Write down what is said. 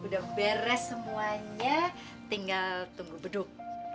udah beres semuanya tinggal tunggu beduk